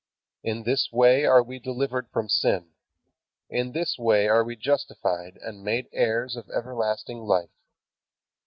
In this way are we delivered from sin. In this way are we justified and made heirs of everlasting life.